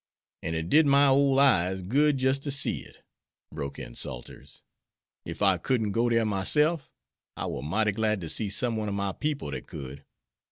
"An' it did my ole eyes good jist ter see it," broke in Salters; "if I couldn't go dere myself, I war mighty glad to see some one ob my people dat could.